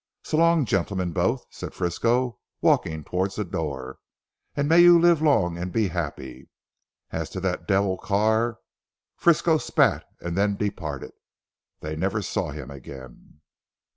So long gentlemen both," said Frisco walking towards the door, "and may you live long and be happy. As to that devil Carr " Frisco spat and then departed. They never saw him again.